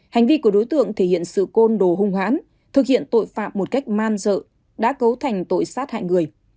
hành vi của đối tượng thể hiện sự côn đồ hung hãn thực hiện tội phạm một cách man dợ đã cấu thành tội sát hại người